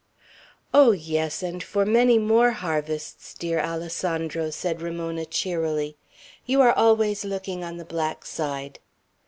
"Oh, yes, and for many more harvests, dear Alessandro!" said Ramona, cheerily. "You are always looking on the black side."